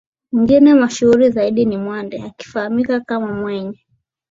Mwingine mashuhuri zaidi ni Mwande akifahamika kama mwenye